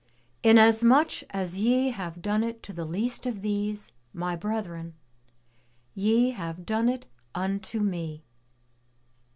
" Inasmuch as ye have done it to the least of these. My brethren, ye have done it unto Me."